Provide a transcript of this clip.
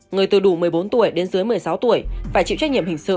người từ đủ một mươi bốn tuổi đến dưới một mươi sáu tuổi phải chịu trách nhiệm hình sự